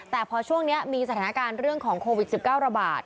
แต่พอช่วงนี้มีสถานการณ์เรื่องของโควิด๑๙ระบาด